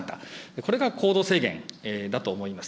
これが行動制限だと思います。